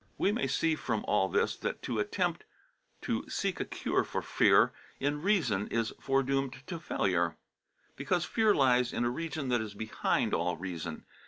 We may see from all this that to attempt to seek a cure for fear in reason is foredoomed to failure, because fear lies in a region that is behind all reason.